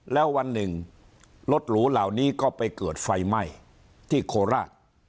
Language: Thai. แล้ววันหนึ่งรถหรูเหล่านี้ก็ไปเกิดไฟไหม้ที่โคราช